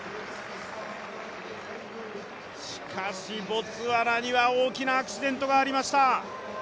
しかし、ボツワナには大きなアクシデントがありました。